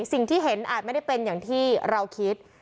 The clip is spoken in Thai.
สิ่งที่เห็นอาจไม่ได้เป็นอย่างที่เราคิด